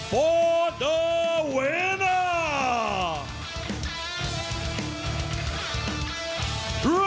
เพื่อเจ้าเจ้าเชียร์